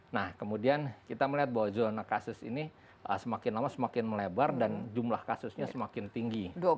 nah kemudian kita melihat bahwa zona kasus ini semakin lama semakin melebar dan jumlah kasusnya semakin tinggi